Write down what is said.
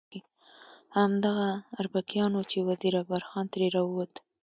همدغه اربکیان وو چې وزیر اکبر خان ترې راووت.